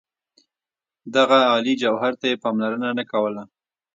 دغه عالي جوهر ته یې پاملرنه نه کوله.